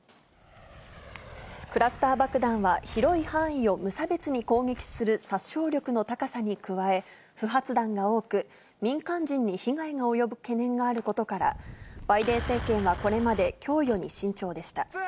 クラスター爆弾は、広い範囲を無差別に攻撃する殺傷力の高さに加え、不発弾が多く、民間人に被害が及ぶ懸念があることから、バイデン政権はこれまで供与に慎重でした。